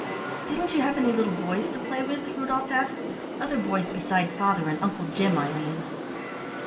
"Didn't you have any little boys to play with?" Rudolf asked. "Other boys beside father and Uncle Jim, I mean."